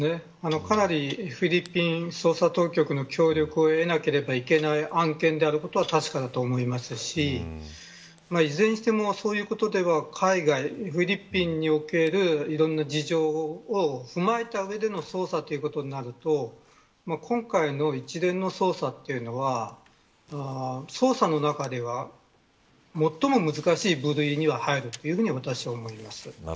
かなり、フィリピン当局の協力を得なければいけない案件であることは確かだと思いますしいずれにしてもそういうことではフィリピンにおけるいろんな事情を踏まえた上での捜査ということになると今回の一連の捜査というのは捜査の中では最も難しい部類には入ると私は思います。